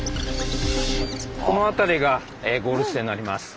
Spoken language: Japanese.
この辺りがゴール地点になります。